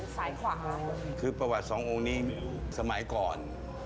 ขวาคือประวัติสององค์นี้สมัยก่อน